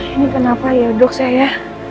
ini kenapa ya dok saya